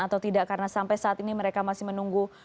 atau tidak karena sampai saat ini mereka masih menunggu